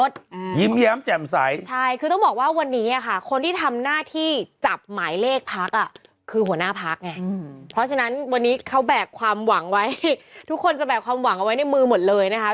ทุกคนจะแบบความหวังเอาไว้ในมือหมดเลยนะฮะ